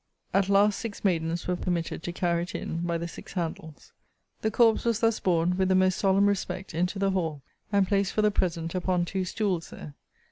At last six maidens were permitted to carry it in by the six handles. The corpse was thus borne, with the most solemn respect, into the hall, and placed for the present upon two stools there.